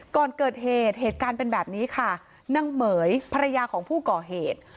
ก่อนเกิดเหตุเหตุการณ์เป็นแบบนี้ค่ะนางเหม๋ยภรรยาของผู้ก่อเหตุ